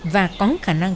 và có khả năng